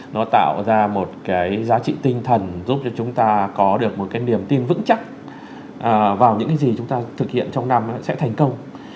nó tạo ra một cái giá trị tinh thần giúp cho chúng ta có được một cái niềm tin vững chắc vào những cái gì chúng ta thực hiện trong năm sẽ thành công